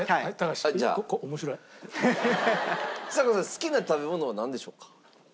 好きな食べ物はなんでしょうか？